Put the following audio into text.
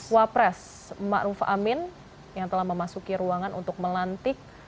wapres mak ruf amin yang telah memasuki ruangan untuk melantik